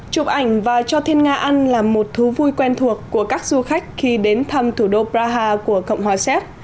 chụp ảnh và cho thiên nga ăn là một thú vui quen thuộc của các du khách khi đến thăm thủ đô praha của cộng hòa séc